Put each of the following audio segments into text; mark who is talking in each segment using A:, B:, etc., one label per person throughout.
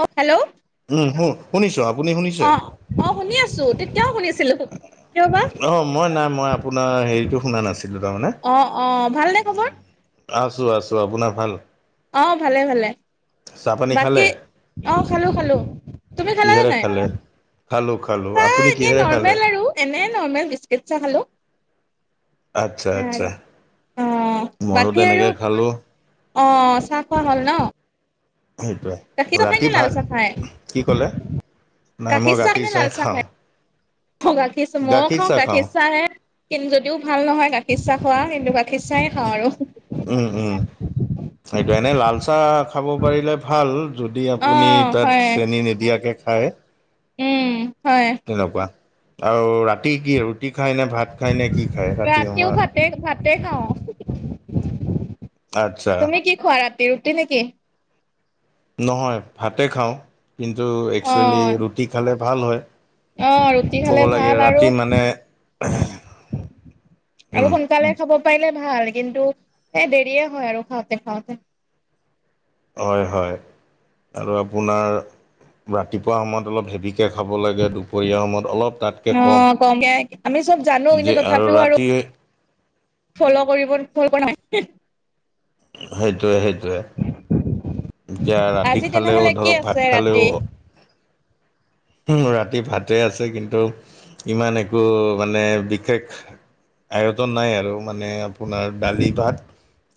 A: অ hello,
B: শুনিছো,
A: অ অ শুনি আছো । তেতিয়া শুনি আছিলো ।
B: অ মই নাই মই আপোনাৰ হেৰিটো শুনা নাছিলো তাৰমানে
A: অ অ
B: উ,
A: ভালনে খবৰ
B: আছো আছো। আপোনাৰ ভাল?
A: অ ভালে ভালে।
B: চাহপানী
A: বাকী
B: খালে
A: অ খালো খালো। তুমি খালা নে
B: কিহেৰে
A: নাই?
B: খালে খালোঁ খালোঁ
A: চাহ
B: আপুনি
A: এনে
B: কিহেৰে খালে
A: নৰ্মেল আৰু এনে নৰ্মেল বিস্কুট চাহ খালো।
B: আচ্ছা আচ্ছা।
A: অ
B: ময়ো
A: বাকী আৰু?
B: তেনেকৈ খালোঁ
A: অ চাহ খোৱা হ'ল ন? গাখীৰ
B: সেইটোৱে
A: চাহ খাই
B: ৰাতি
A: নে
B: ভা,
A: লাল চাহ খাই
B: কি ক'লে? নাই মই
A: চাহ নে
B: গাখীৰ
A: লাল
B: চাই
A: চাহ খাই
B: খাওঁ।
A: অ গাখীৰ চাহ ময়ও খাওঁ গাখীৰ চাহে কিন্তু যদিও ভাল নহয় গাখীৰ চাহ খোৱা কিন্তু খিচাই খাওঁ আৰু।
B: খাই দিও। এনে লাল চাহ খাব পাৰিলে ভাল যদি
A: অ
B: আপুনি তাত
A: হয়
B: চেনি নিদিয়াকে। খাই।
A: উম। হয়
B: তেনেকুৱা আৰু ৰাতি ৰাতি কি ৰুটি খায়নে, ভাত খায়নে কি খায়? ৰাতি
A: ৰাতিও
B: সময়ত।
A: ভাতে ভাতে খাওঁ।
B: আচ্ছা
A: তুমি কি খোৱা ৰাতি ৰুটি নেকি?
B: নহয় ভাতে খাওঁ কিন্তু একচুৱেলি ৰুটি খালে ভাল হয়।
A: অহ ৰুটি
B: ক'ব
A: খালে
B: লাগে
A: ভাল আৰু।
B: ৰাতি মানে
A: আৰু
B: উম,
A: সোনকালে খাব পাইে ভাল কিন্তু এ দেৰিয়ে হয় আৰু খাওঁতে খাওঁতে।
B: হয় হয় আৰু আপোনাৰ ৰাতিপুৱা সময়ত অলপ হেভি কে খাব লাগে। দুপৰীয়া সময়ত অলপ তাতকে
A: অ
B: কম।
A: কমকে আমি চব জানো কিন্তু
B: যে আৰু
A: তথাপিও
B: ৰাতি। এ।
A: ফল কৰিব ফল কৰা নাই।
B: সেইটোৱে সেই। এতিয়া ৰাতি
A: আজি
B: খালেও
A: তেনেহলে কি
B: ধৰক
A: আছে
B: ভাত
A: ৰাতি
B: খালেও। ৰাতি ভাতে আছে কিন্তু ইমান একো মানে বিশেষ। আয়তন নাই আৰু মানে। আপোনাৰ দালি ভাত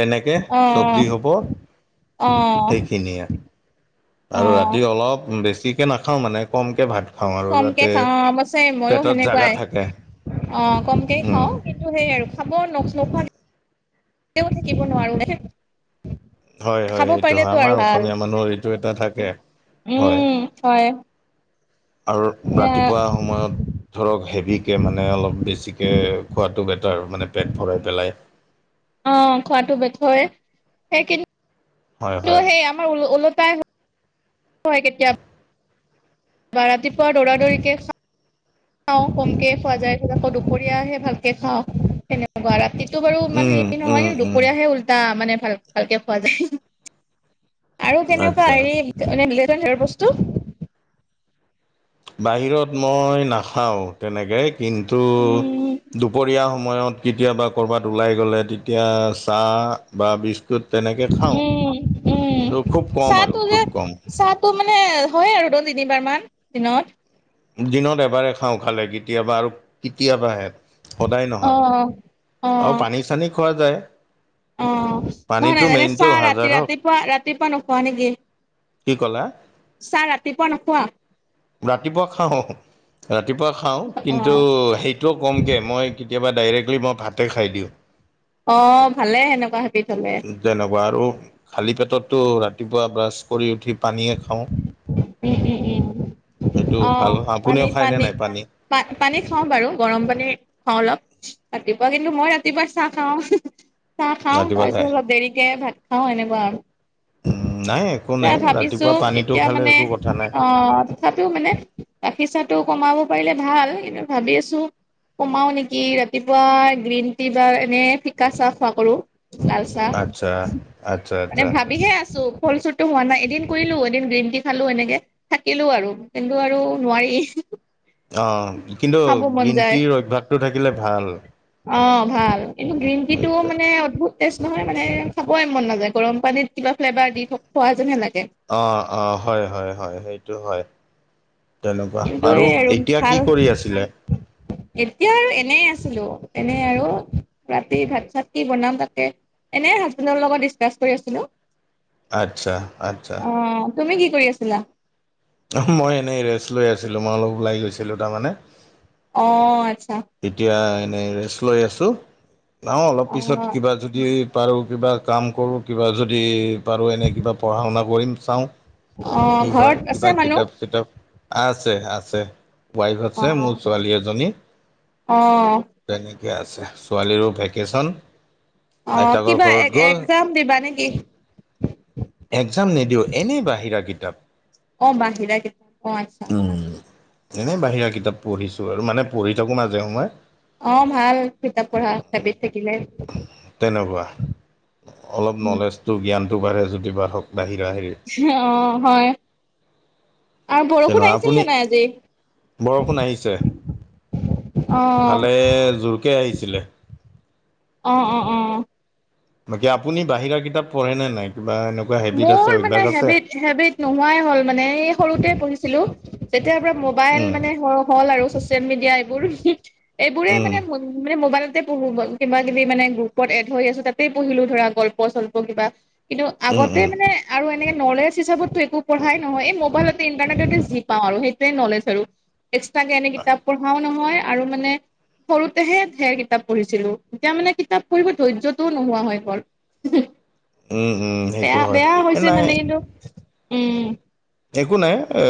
B: তেনেকে
A: অ
B: চব্জি হ'ব।
A: অ
B: সেইখিনিয়ে।
A: অ
B: আৰু ৰাতি অলপ বেছিকে নাখাওঁ মানে কমকে ভাত। খাওঁ আৰু
A: কমকে
B: যাতে
A: খাও অ অৱশ্যে মইও
B: পেটত জাগা
A: সেনেকুৱাই।
B: থাকে
A: অ কমকেই
B: উম
A: খাও কিন্তু সেই আৰু। খাব নোখোৱা কেও থাকিব নোৱাৰো।
B: হয় হয়
A: খাব
B: সেইটো হয়।
A: পাৰিলেতো আৰু
B: আমাৰ
A: ভাল
B: অসমীয়া মানুহৰ এইটো এটা থাকে। হয়
A: উম হয়।
B: আৰু
A: এ
B: ৰাতিপুৱা সময়ত ধৰক হেভিকে মানে অলপ বেছি। কে খোৱাতো বেটাৰ মানে পেট ভৰাই পেলাই।
A: অ খোৱাতো বেষয়। সেইকিন
B: হয়
A: টো
B: হয়
A: সেই আমাৰ ওলোটাই হয় কেতিয়াবা। বা। ৰাতিপুৱা দৌৰা দৌৰিকে খাওঁ। খাওঁ কমকে খোৱা যায়। আকৌ দুপৰীয়া আহে ভালকে খাওঁ সেনেকুৱা। ৰাতি টো বাৰু ইমান
B: উম
A: হেৰি
B: উম
A: নহয়
B: উম
A: দুপৰীয়াহে উল্টা মানে ভাল ভালকে খোৱা যায়। আৰু
B: আচ্ছা
A: কেনেকুৱা হেৰি বস্তু।
B: বাহিৰত মই নাখাওঁ তেনেকে। কিন্তু
A: উম
B: দুপৰীয়া সময় সময়ত কেতিয়াবা কৰবাত উলাই গলে তেতিয়া চাহ বা বিচ 'ত তেনেকে খাওঁ।
A: উম উম
B: কিন্তু খুব কম আৰু
A: চাহটো যে,
B: খুব কম
A: চাহটো মানে হয় আৰু দ তিনিবাৰ মান। দিনত।
B: দিনত এবাৰে খাওঁ খালে কেতিয়াবা আৰু কেতিয়াবাহে সদায়
A: অ
B: নহয়। আৰু
A: অ
B: পানী চানী খোৱা যায়।
A: অ
B: পানীটো
A: নহয় ন
B: মেইনটো
A: চাহ
B: হাজাৰ
A: ৰাতি
B: হওক
A: ৰাতিপুৱা ৰাতিপুৱা নোখোৱা নেকি।
B: কি ক'লা
A: চাহ ৰাতিপুৱা নখুৱা?
B: ৰাতিপুৱা খাওঁ ৰাতি। ৰাতিপুৱা খাওঁ
A: অ
B: কিন্তু সেইটোও কমকৈ মই কেতিয়াবা ডাইৰেক্টলি মই ভাতে খাই দিওঁ।
A: অ ভালে সেনেকুৱা হেবিট হলে।
B: তেনেকুৱা আৰু খালী পেট। ততটো ৰাতিপুৱা ব্ৰাছ কৰি উঠি পানীয়ে খাওঁ।
A: উম উম উম
B: সেইটো
A: অ
B: ভাল আপুনিও খাইনে নাই পানী।
A: পা পানী খাওঁ বাৰু গৰম পানী খাওঁ অলপ ৰাতিপুৱা কিন্তু মই ৰাতিপুৱা চাহ খাওঁ। চাহ খাওঁ
B: ৰাতিপুৱা
A: তাৰ পিছত
B: খায়
A: অলপ দেৰিকে ভাত খাওঁ এনেকুৱা আৰু
B: উম, নাই একো
A: ত
B: নাই
A: ভাবিছোঁ।
B: ৰাতিপুৱা পানীটো
A: এতিয়া
B: খালে
A: মানে
B: একো কথা নাই
A: অ তথাপিও মানে গখিৰ চাহটো কমাব পাৰিলে ভাল কিন্তু ভাবি আছো কমাও নেকি ৰাতিপুৱা গ্ৰীণ টি বা এনে ফিকা চাহ খোৱা কৰো। লালচাহ
B: আচ্ছা আচ্ছা
A: মানে
B: আচ্ছা
A: ভাবিহে আছো ফল চুটো হোৱা নাই এদিন। কৰিলো এদিন গ্ৰীণ টি খালো এনেকে থাকিলো আৰু কিন্তু আৰু নোৱাৰি।
B: অ কিন্তু
A: খাব মন
B: গ্ৰীণ
A: যায়
B: টিৰ অভ্যাসটো থাকিলে ভাল।
A: অ ভাল এইটো গ্ৰীণ টিটো
B: সেইটোৱে,
A: মানে অদ্ভুত টেষ্ট নহয় মানে খাবই মন নাযায় গৰম পানীত কিবা ফ্লেভাৰ দি খোৱা যেন লাগে।
B: অ', অ', হয়, হয়, হয়, সেইটো হয়। তেনেকুৱা
A: কিন্তু সেই আৰু
B: এতিয়া কি
A: ভাল
B: কৰি আছিলে?
A: এতিয়া আৰু এনে আছিলো। এনে আৰু ৰাতি ভাত চাত কি বনাম তাকে এনে হাজবেণ্ডৰ লগত ডিচকাচ কৰি আছিলো।
B: আচ্ছা আচ্ছা
A: অ তুমি কি কৰি আছিলা?
B: মই এনেই ৰেচ লৈ আছিলোঁ মই অলপ ওলাই গৈছিলোঁ তামানে।
A: অ অচ্ছা
B: এতিয়া এনেই ৰেষ্ট লৈ আছোঁ অ অলপ পিছত কিবা যদি। পাৰোঁ কিবা কাম কৰোঁ কিবা যদি পাৰোঁ এনে কিবা পঢ়া শুনা কৰিম চাওঁ। কি
A: ঘৰত
B: হয়
A: আছে
B: কিবা
A: মানুহ
B: কিতাপ চিতাপ আছে আ আছে ৱাইফ আছে মোৰ
A: অ
B: ছোৱালী এজনী,
A: অ।
B: ঠিকে আছে ছোৱালীৰো ভেকেশ্যন।
A: অ কিবা এক একজাম দিবা নেকি।
B: একজাম নিদিও এনেই বাহিৰা কিত
A: অ বাহিৰা কে অ আচ্ছা।
B: এনে বাহিৰা কিতাপ পঢ়িছো আৰু মানে পঢ়ি থাকো মাাজে সময়ে।
A: অ ভাল কিতাপ পঢ়া হেবিত থাকিলে।
B: তেনেকুৱা অলপ নলেজটো, জ্ঞানটো বাঢ়ে যদি বাঢ়ক। বাহিৰা হেৰি
A: অ হয় আৰু বৰষুণ
B: তেনেকুৱা
A: আহিছিল
B: আপুনি
A: নে নাই আজি?
B: বৰষুণ আহিছে,
A: অ
B: ভালে জোৰকে আহিছিলে।
A: অ-অ-অ
B: বাকী আপুনি বাহিৰা কিতাপ পঢ়েনে নাই? কিবা এনেকুৱা হেবিট আছে
A: মোৰ মানে
B: অভ্যাস আছে
A: হেবিট, হেবিট নোহোৱাই হ'ল মানে। এই সৰুতে পঢ়িছিলো, যেতিয়াৰ পৰা মোবাইল
B: উম
A: মানে হল আৰু চছিয়েল মিডিয়া এইবোৰ, এইবোৰেই
B: উম
A: মানে মোবাইল পঢ়ো। কিবা কিবি মানে গ্ৰুপত এড হৈ আছো, তাতেই পঢ়িলো ধৰা গল্প-চল্প কিবা
B: উম
A: আগতে
B: উম
A: মানে আৰু এনেকে নলেজ হিচাপতটো একো পঢ়াই নহয়। এই মোবাইলতে ইণ্টাৰনেটতে যি পাওঁ আৰু। সেইটোৱে নলেজ আৰু। এক্সট্ৰা কে এনে কিতাপ পঢ়াও নহয় আৰু মানে সৰুতেহে ঢেৰ কিতাপ পঢ়িছিলো। এতিয়া মানে কিতাপ পঢ়িব ধৈৰ্য্যটোও নোহোৱা হৈ গ'ল। উহো।
B: উম উম। সেইটো হয়
A: বেয়া-বেয়া হৈছে
B: নাই
A: মানে কিন্তু, উম।
B: একো নাই এ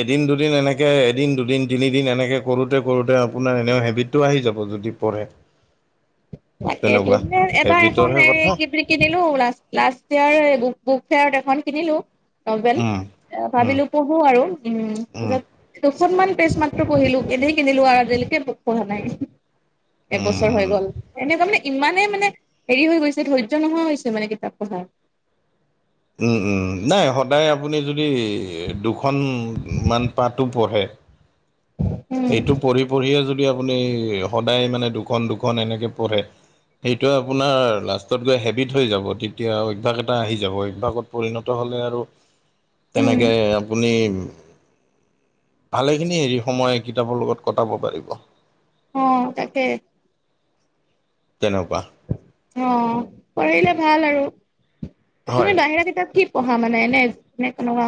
B: এদিন, দুদিন এনেকে এদিন, দুদিন, তিনিদিন এনেকৈ কৰোঁতে কৰোঁতে আপোনাৰ এনেও হেবিট টো আহি যাব যদি পঢ়ে।
A: তাকেইটো।
B: তেনেকুৱা
A: এবাৰ এখন
B: হেবিটৰহে কথা
A: এই কিনিলো লা লাষ্ট ইয়াৰৰ বুক বুক ফেয়াৰত এখন কিনিলো নভেল।
B: উম, উম,
A: ভাবিলো পঢ়ো আৰু উম
B: উম,
A: তাৰছত অকনমান পেজ মাত্ৰ পঢ়িলো। এনে কিনিলো আৰু আজিলৈকে আৰু প পঢ়া নাই। এবছৰ হৈ
B: উম,
A: গ'ল। এনেকুৱা মানে ইমানেই মানে হেৰি হৈ গৈছে, ধৈৰ্য্য নোহোৱা হৈছে মানে কিতাপ পঢ়াৰ।
B: ওম-ওম, নাই সদায় আপুনি যদি দুখনমান পাতো পঢ়ে। সেইটো
A: উম
B: পঢ়ি পঢ়িয়ে যদি আপুনি সদায় মানে দুখন দুখন এনেকে পঢ়ে। সেইটো আপোনাৰ লাষ্টত গৈ হেবিট হৈ যাব। তেতিয়া অভ্যাস এটা আহি যাব অভ্যাসত পৰিণত হ হলে আৰু
A: উম
B: তেনেকে আপুনি ভালেখিনি হেৰি সময় কিতাপৰ লগত কটাব পাৰিব।
A: উ তাকে।
B: তেনেকুৱা।
A: অ পঢ়িলে ভাল আৰু।
B: হয়।
A: তুমি বাহিৰা কিতাপ কি পহা মানে এনে এনে কেনেকুৱা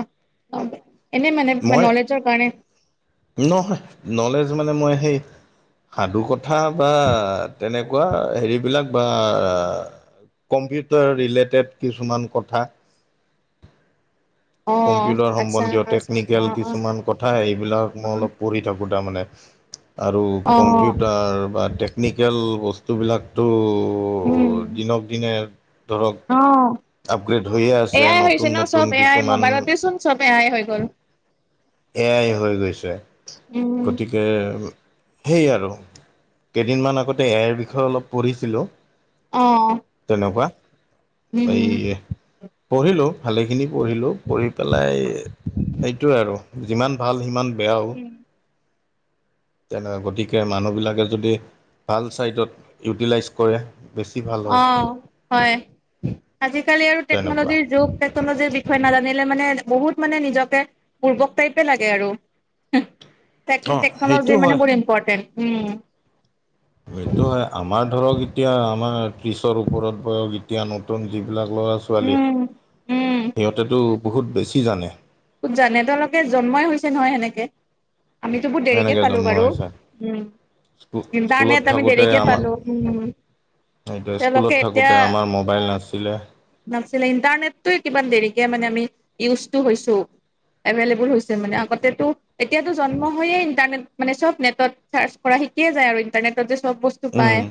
A: এনেই মানে মে
B: মই
A: নলেজৰ কাৰনে
B: এটো মানে মই সেই সাধু কথা বা তেনেকুৱা হেৰিবলাক বা কম্পিউটাৰ ৰিলেটেত কিছুমান কথা
A: [inaudible]
B: কম্পিউটাৰ
A: আচ্ছা
B: সম্বন্ধীয়
A: আচ্ছা অ
B: টেকনিকেল
A: অ
B: কিছুমান কথা হেই সেবিলাক মই অলপ পঢ়ি থাকোঁ তাৰমানে। আৰু
A: অ
B: কম্পিউটাৰ বা টেকনিকেল বস্তুবিলাকটো টো দিনক দিনে ধৰক
A: অঁ।
B: আপগ্ৰেড হৈয়ে আছে
A: এয়াই
B: নতুন
A: হৈছে ন
B: নতুন
A: চব এয়াই
B: কিছুমান
A: মোবাইলতে চোন চব এয়াই হৈ গ'ল।
B: এয়াই হৈ গৈছে।
A: উম
B: গতিকে সেই আৰু কেইদিনমান আগতে এ আই বিষয়ে অলপ পঢ়িছিলোঁ।
A: অ
B: তেনেকুৱা।
A: উম
B: এই ই পঢ়িলোঁ ভালেখিনি পঢ়িলোঁ পঢ়ি পেলাই সেইটোৱে আৰু যিমান ভাল সিমান বেয়াও।
A: উম
B: তেনে গতিকে মানুহবিলাকে যদি ভাল চাইডত ইউটিলাইজ কৰে। বেছি ভাল হয়
A: অহ, হয় আজিকালি আৰু
B: তেনেকুৱা
A: টেকনলজিৰ যুগ। টেকনলজিৰ বিষয়ে নাজানিলে মানে বহুত মানে নিজকে বুৰ্ব্বক টাইপে লাগে আৰু। হেহ তেক
B: অঁ সেইটো
A: টেকনলজি মানে
B: হয়
A: বহুত ইম্পৰ্টেণ্ট উম ।
B: সেইটো হয় আমাৰ ধৰক এতিয়া আমাৰ ত্ৰিছৰ ওপৰত বয়স এতিয়া নতুন যিবিলাক ল'ৰা- ছোৱালী
A: উম উম
B: সিহঁতেতো বহুত বেছি জানে।
A: ক'ত জানে তেওঁলোকে জন্মই হৈছে নহয় সেনেকে। আমিতো বহুত দেৰিকে
B: এনেকে
A: পালো
B: জন্ম
A: বাৰু
B: হৈছে
A: উম।
B: স্কু স্কুলত
A: ইণ্টাৰনেট আমি
B: থাকোঁতে
A: দেৰিকে
B: আমাৰ
A: পালো ওম।
B: সেইটোৱে স্কুলত থাকোতে আমাৰ মবাইল নাছিলে
A: নাছিলে ইণ্টাৰনেটটো কিমান দেৰিকে মানে আমি ইউজটো হৈছো। এভেইলেবল হৈছে মানে আগতেটো এতিয়াতো জন্ম হৈয়ে ইণ্টাৰনেট মানে চব নেটত চাৰ্চ কৰা শিক যায় আৰু ইণ্টাৰনেটত চব বস্তু পাই
B: উম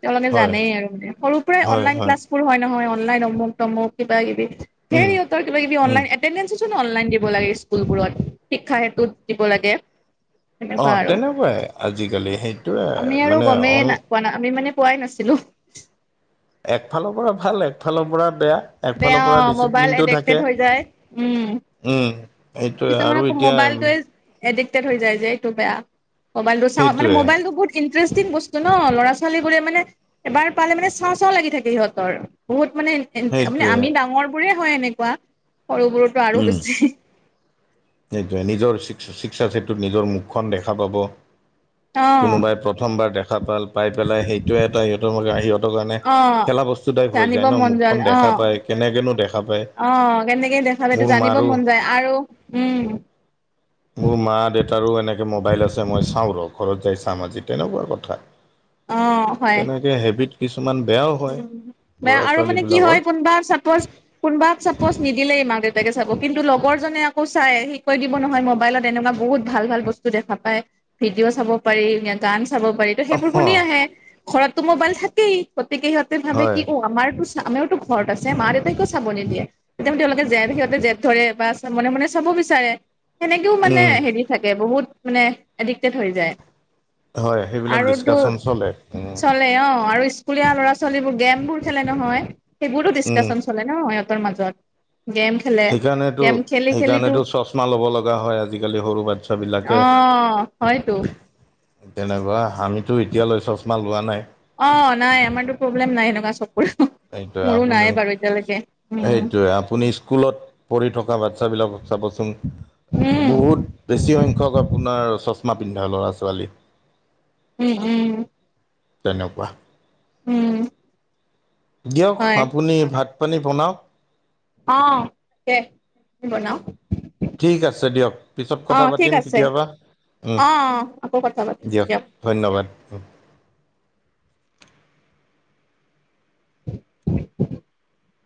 A: তেওঁ মানে
B: হয়
A: জানেই আৰু সৰু পৰাই অনলাইন ক্লাছবোৰ হয় নহয়। অনলাইন অমুক- তমুক কিবা কিবি ধেৰ
B: উম
A: সিহঁতৰ কিবা -কিবি
B: উম
A: এটেন্দেঞ্চন অনলাইন দিব লাগে স্কুলবোৰত শিক্ষা হেতুত দিব লাগে।
B: অ
A: তেনেকুৱা আৰু
B: তেনেকুৱাই আজিকালি সেইটোৱে
A: [inaudible] আমি আৰু
B: মানে
A: গমেই
B: অন
A: ন পোৱা নাই আমি মানে পোৱাই নাছিলো। [inaudible]
B: একফালৰ পৰা ভাল একফালৰ পৰা বেয়া। একফালৰ
A: বেয়া
B: পৰা
A: মোবাইল
B: ডিচিপ্লিনটো
A: এডেক্টেড
B: থাকে
A: হৈ যায় উম।
B: উম সেইটোৱে আৰু
A: কিছুমানে খুব
B: এতিয়া
A: মোবাইলটোৱে এডিক্টেড হৈ যায় যে এইটো বেয়া মবাইল টো চাওঁ মানে
B: সেইটোৱে
A: মবাইলতটো বহুত ইটাৰেষ্টিং বস্তু ন ল'ৰা -ছোৱালীবোৰে মানে এবাৰ পালে মানে চাওঁ -চাওঁ লাগি থাকে সিহঁতৰ বহুত মানে -মানে
B: সেইটোৱে
A: আমি ডাঙৰ বোৰে হয় এনেকুৱা সৰুবোৰতো আৰু
B: উম
A: বেছি।
B: সেইটোৱে নিজৰ চিকসা চেটোত নিজৰ মুখখন দেখা পাব।
A: অ',
B: কোনোবাই প্ৰথমবাৰ দেখা পাল পাই পেলাই সেইটোয়ে এটা সিহঁতৰ মে সিহঁত কাৰণে
A: অ'।
B: খেলা বস্তু টাইপ হৈ
A: জানিব
B: যায়
A: মন
B: ন'মুখখন দেখা
A: অ',
B: পায় কেনেকেনো দেখা পায়।
A: অ', কেনেকে দেখা বাউদেও
B: মোৰ
A: জানিব
B: মাৰো
A: মন যায় আৰু উম।
B: মোৰ মা, দেউতাৰো এনেকে মবাইল আছে মই চাওঁ ৰ ঘৰত যাই চাম আজি তেনেকুৱা কথা। [inaudible] তেনেকে হেবিট কিছুমান বেয়াও হয়
A: উম,
B: ল'ৰা
A: আৰু মানে কি
B: ছোৱালীবিলাকৰ
A: হয় কোনোবাৰ চাপজ কোনোবাক চাপজ নিদিলে মা - দেউতা তাকে চাব কিন্তু লগৰজনে আকৌ চাই সি কৈ দিব নহয় মোবাইলত এনেকুৱা বহুত ভাল- ভাল বস্তু দেখা পায়। ভিডিঅ চাব পাৰি এ গান চাব পাৰি ত' সেইবোৰ শুনি আহে ঘৰত টো মোবাইল থাকেই গতিকে সিহঁতে ভাবে
B: হয়
A: কি অ আমাৰতো আমাৰতো ঘৰত আছে মা- দেউতাই কিয় চাব নিদিয়ে তেতিয়া তেওঁলোকে জেদ সিহঁতে জেদ ধৰে বা মনে -মনে চাব। বিচাৰে সেনেকেও মানে
B: উম
A: হেৰি থাকে বহুত মানে এডিক্টেড হৈ যায়।
B: হয়
A: [inaudible]
B: সেইবিলাক
A: আৰু তো
B: ডিছকাশ্যন চলে উম
A: চলে অ' আৰু ইস্কু স্কুলীয়া ল'ৰা -ছোৱালীবোৰ গেমবোৰ খেলে নহয় সেইবোৰো
B: উম
A: ডিচকাচন চলে ন সিহঁতৰ মাজত। গেম খেলে
B: সেইকাৰণেতো
A: গেম খেলি খেলিতো
B: -সেইকাৰণেতো চছমা ল'ব লগা হয় আজিকালি সৰু বাচ্ছাবিলাকে।
A: অহ -হয়তো।
B: তেনেকুৱা আমিতো এতিয়ালৈ চছমা লোৱা নাই।
A: অ নাই আমাৰো প্ৰব্লেম নাই সনেকুৱা চব। উম
B: সেইটোৱে আপুনি স্কুলত পঢ়ি থকা বাচছাবিলকক চাবচোন বহুত
A: উম
B: বেছিসংখ্যক আপোনাৰ চছমা পিন্ধা ল'ৰা -ছোৱালী।
A: উম- উম।
B: তেনেকুৱা।
A: উম।
B: দিয়ক
A: হয়
B: আপুনি ভাত পানী বনাৱক।
A: অ তাকে বনাও।
B: ঠিক আছে দিয়ক পিছত
A: অ
B: কথা
A: ঠিক
B: পাতিম
A: আছে
B: কেতিয়াবা, উম
A: অ অ আকৌ কথা পাতিম
B: দিয়ক ধন্যবাদ।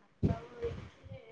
B: অ। [inaudible] [unintelligible]